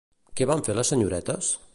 Què van fer les senyoretes?